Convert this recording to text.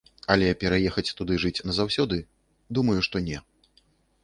Але пераехаць туды жыць назаўсёды, думаю, што не.